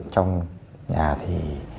trong nhà thì